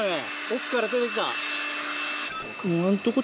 奥から出て来た。